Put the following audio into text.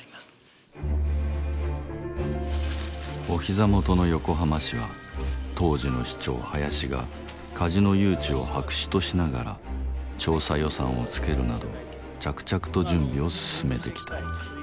おひざ元の横浜市は当時の市長林がカジノ誘致を白紙としながら調査予算をつけるなど着々と準備を進めてきた。